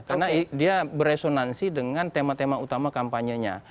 karena dia beresonansi dengan tema tema utama kampanye nya